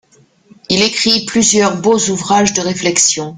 Il écrit plusieurs beaux ouvrages de réflexion.